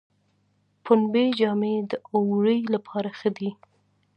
پنبې جامې د اوړي لپاره ښې دي